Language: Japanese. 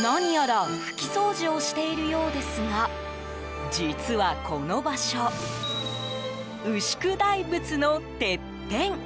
何やら拭き掃除をしているようですが実は、この場所牛久大仏のてっぺん。